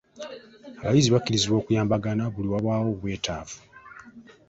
Abayizi bakubirizibwa okuyambagana buli lwe wabeerawo obwetaavu .